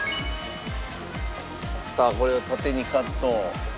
さあこれを縦にカット。